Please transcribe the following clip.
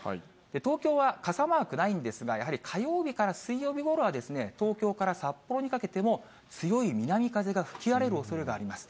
東京は傘マークないんですが、やはり火曜日から水曜日ごろは、東京から札幌にかけても強い南風が吹き荒れるおそれがあります。